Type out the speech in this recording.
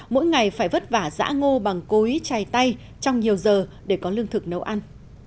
mỗi ngày phải vất vả giã ngô bằng cối chay tay trong nhiều giờ để có lương thực nấu ăn